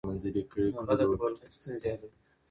هغه د کورنۍ ستونزې حلوي.